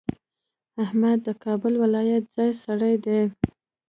احمد د کابل ولایت ځای سړی دی.